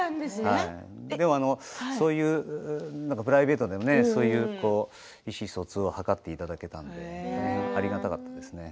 でも、そういうプライベートでの意思疎通を図っていただけたのでありがたかったですね。